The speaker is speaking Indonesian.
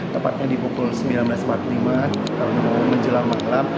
tepatnya di pukul sembilan belas empat puluh lima menjelang malam